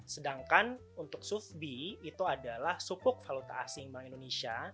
sedangkan untuk sufbe itu adalah sukuk valuta asing bank indonesia